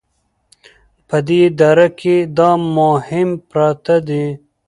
په دې دره کې دا مهم پراته دي